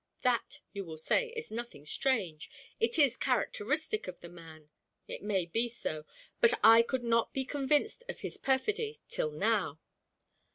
That, you will say, is nothing strange. It is characteristic of the man. It may be so; but I could not be convinced of his perfidy till now.